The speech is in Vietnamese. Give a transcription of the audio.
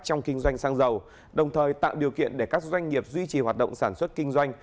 trong kinh doanh xăng dầu đồng thời tạo điều kiện để các doanh nghiệp duy trì hoạt động sản xuất kinh doanh